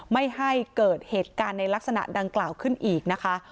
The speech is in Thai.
ไม่ให้เกิดเหตุการณ์ในลักษณะดังกล่าวขึ้นอีกนะคะ